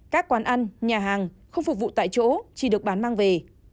các quán ăn nhà hàng không phục vụ tại chỗ chỉ được bán mang về